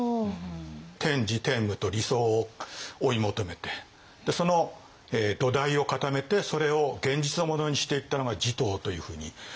天智天武と理想を追い求めてその土台を固めてそれを現実のものにしていったのが持統というふうに。